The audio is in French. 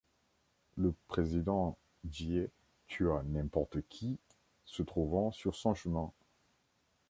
Le président Jie tua n'importe qui se trouvant sur son chemin.